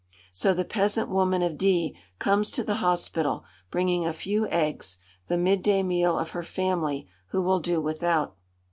So the peasant woman of D comes to the hospital, bringing a few eggs, the midday meal of her family, who will do without.